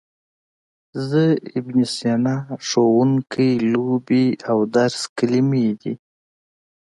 زه، ابن سینا، ښوونکی، لوبې او درس کلمې دي.